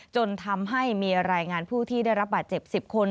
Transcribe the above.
จนทำให้มีรายงานผู้ที่ได้รับบาดเจ็บ๑๐คน